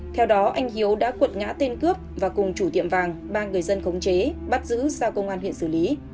theo đó anh hiếu đã cuộn ngã tiên cướp và cùng chủ tiệm vàng ba người dân khống chế bắt giữ sau công an huyện xử lý